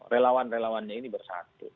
relawan relawannya ini bersatu